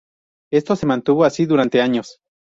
Esto se mantuvo así durante años.